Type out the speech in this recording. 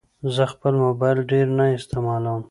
زه خپل موبایل ډېر نه استعمالوم.